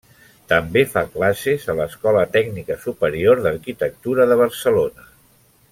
També fa classes a l'Escola Tècnica Superior d'Arquitectura de Barcelona.